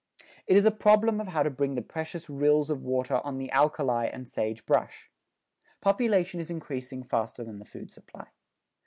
It is a problem of how to bring the precious rills of water on to the alkali and sage brush. Population is increasing faster than the food supply.